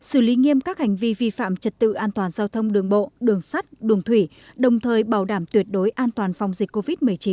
xông đường bộ đường sắt đường thủy đồng thời bảo đảm tuyệt đối an toàn phòng dịch covid một mươi chín